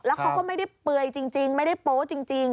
แล้วเขาก็ไม่ได้เปลือยจริงไม่ได้โป๊จริง